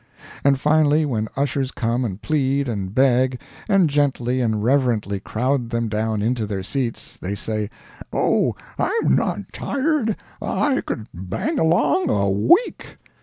And finally when ushers come and plead, and beg, and gently and reverently crowd them down into their seats, they say, "Oh, I'm not tired I could bang along a week!"